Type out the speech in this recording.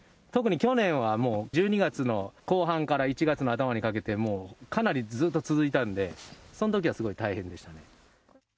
特に去年はもう、１２月の後半から１月の頭にかけて、もうかなりずっと続いたんで、そのときはすごい大変でしたね。